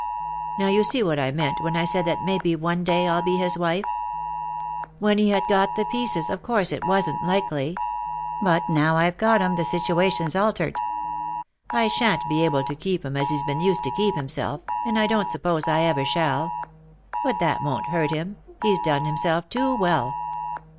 Now you see what I meant when I said that maybe one day I'll be his wife. When he bad got the pieces of course it wasn't likely, but now I've got 'em the situation's altered. I shan't be able to keep him as he's been used to keep himself, and I don't suppose I ever shall ; but that won't hurt him — he's done himself too well.